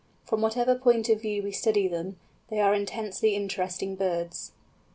From whatever point of view we study them, they are intensely interesting birds.